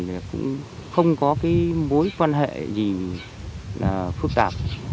ông này cũng không có mối quan hệ gì phức tạp